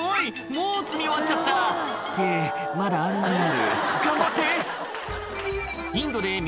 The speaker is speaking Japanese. もう積み終わっちゃったってまだあんなにある頑張って！